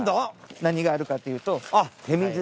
何があるかっていうと。